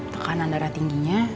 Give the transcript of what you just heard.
tekanan darah tingginya